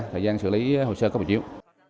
thời gian xử lý hồ sơ cấp hộ chiếu